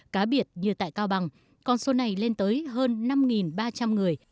cá biệt như tại cao bằng con số này lên tới hơn năm ba trăm linh người